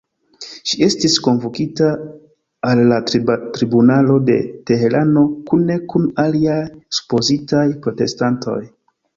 Ŝi estis kunvokita la al tribunalo de Teherano kune kun aliaj supozitaj protestantoj.